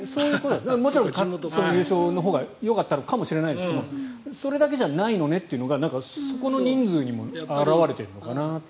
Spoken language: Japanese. もちろん優勝のほうがよかったかもしれないですがそれだけじゃないのねというのがそこの人数にも表れているのかなと。